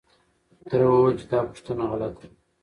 تره وويل چې دا پوښتنه غلطه ده.